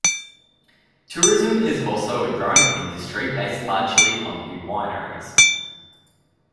Tourism is also a growing industry based largely on the wineries.